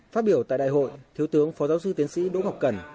phát biểu tại đại hội thiếu tướng phó giáo sư tiến sĩ đỗ ngọc cẩn